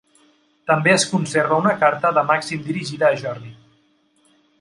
També es conserva una carta de Màxim dirigida a Jordi.